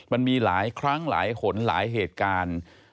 มันมีหลายครั้งหลายหนหลายเหตุการณ์